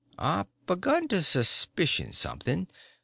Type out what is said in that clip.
I begun to suspicion something.